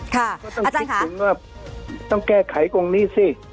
ก็ต้องถึงว่าต้องแก้ไขตรงนี้สิ